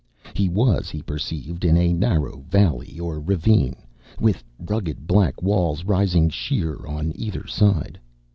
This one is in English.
He was, he perceived, in a narrow valley or ravine, with rugged black walls rising sheer on either side.